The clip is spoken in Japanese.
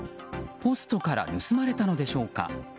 ポストから盗まれたのでしょうか。